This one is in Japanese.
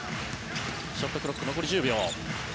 ショットクロック、残り１０秒。